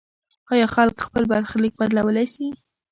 آیا خلک خپل برخلیک بدلولی سي؟